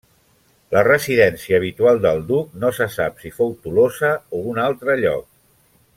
La residència habitual del duc no se sap si fou Tolosa o un altre lloc.